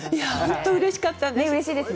本当うれしかったです。